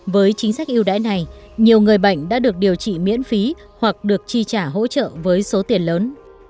với chính sách yêu đáy này nhiều người bệnh đã được điều trị miễn phí hoặc được chi trả hỗ trợ với số tiền lớn